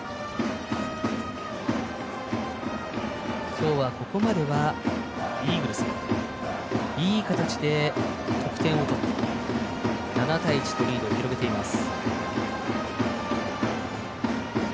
今日は、ここまでは、イーグルスいい形で得点を取って７対１とリードを広げています。